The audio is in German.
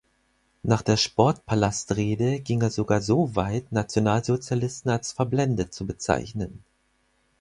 Nach der Sportpalastrede ging er sogar so weit, Nationalsozialisten als verblendet zu bezeichnen.